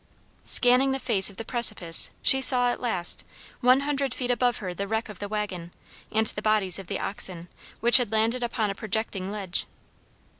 Scanning the face of the precipice she saw, at last, one hundred feet above her the wreck of the wagon, and the bodies of the oxen, which had landed upon a projecting ledge.